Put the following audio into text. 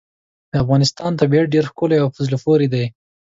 د افغانستان طبیعت ډېر ښکلی او په زړه پورې دی.